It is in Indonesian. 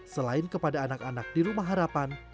selain kepada anak anak di rumah harapan